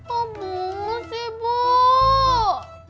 aku mau sibuk